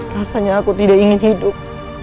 rasanya aku tidak ingin hidup